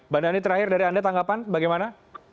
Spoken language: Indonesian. pak nani terakhir dari anda tanggapan bagaimana